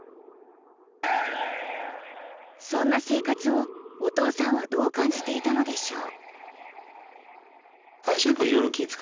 そんな生活をお父さんはどう感じていたのでしょう？